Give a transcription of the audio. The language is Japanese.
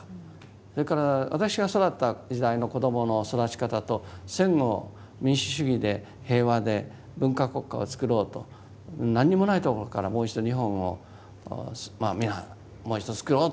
それから私が育った時代の子どもの育ち方と戦後民主主義で平和で文化国家をつくろうと何にもないところからもう一度日本を皆もう一度つくろうと思ったわけです。